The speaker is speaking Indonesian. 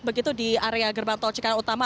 begitu di area gerbang tol cikarang utama